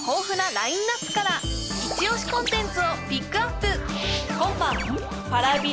ラインナップから一押しコンテンツをピックアップ